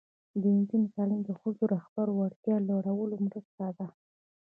د نجونو تعلیم د ښځو رهبري وړتیا لوړولو مرسته ده.